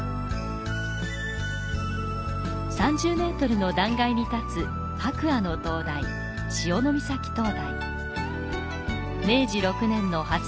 ３０ｍの断崖に建つ白亜の灯台、潮岬灯台。